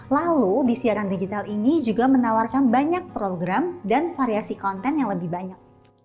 lalu di siaran digital ini juga menawarkan banyak program dan variasi konten yang lebih banyak